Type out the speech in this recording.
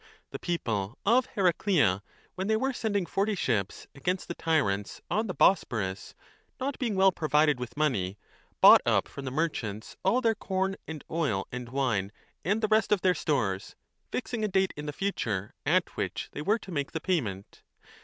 The people of Heraclea, when they were sending forty ships against the tyrants on the Bosporus, not being well provided with money, bought up from the merchants all 5 their corn and oil and wine and the rest of their stores, fixing a date in the future at which they were to make the payment.